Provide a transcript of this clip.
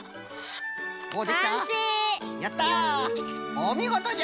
おみごとじゃ！